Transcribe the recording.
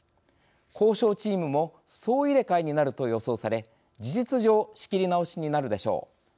交渉チームも総入れ替えになると予想され事実上仕切り直しになるでしょう。